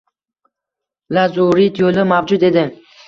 „Lazurit yoʻli“ mavjud edi.